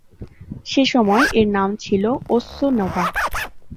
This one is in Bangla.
সেসময় এর নাম ছিল ওসসোনোভা।